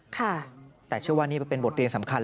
แต่เชื่อว่านี่เป็นบทเรียนสำคัญ